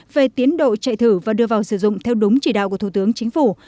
về tiến độ chạy thử và đưa vào sử dụng theo đúng chỉ đạo của thủ tướng chính phủ